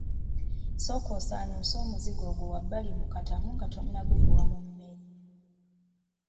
Sooka osaanuuse omuzigo gwo wabbali mu katamu nga tonnaguyiwa mu mmere.